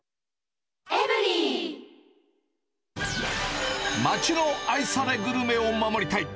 あぁ町の愛されグルメを守りたい。